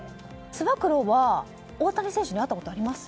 つば九郎は大谷選手に会ったことあります？